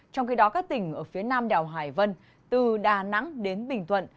trong khi đó các tỉnh ở phía nam đảo hải vân từ đà nẵng đến bình thuận